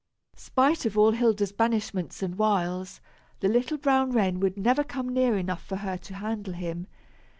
Spite of all Hilda's blandishments and wiles, the little brown wren would never come near enough for her to handle him.